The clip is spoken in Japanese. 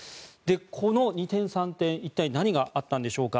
この二転三転一体、何があったんでしょうか。